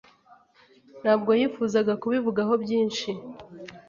Ntabwo yifuzaga kubivugaho byinshi.